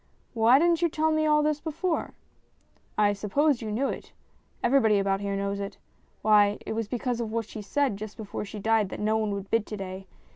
" Why didn't you tell me all this before ?"" I supposed you knew it. Everybody about here knows it. Why, it was because of what she said just before she died that no one would bid to day.